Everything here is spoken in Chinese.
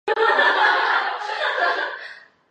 泰累尔在南非开普敦大学完成了早期的学业。